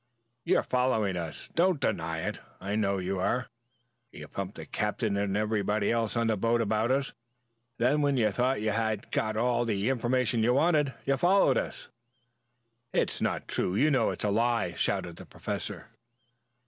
You are following us. Don't deny it. I know you are. You pumped the Captain and everybody else on the boat about us. Then, when you thought you had got all the information you wanted, you followed us." "It's not true. You know it's a lie!" shouted the Professor.